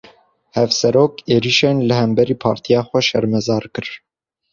Hevserok, êrîşên li hemberî partiya xwe şermezar kir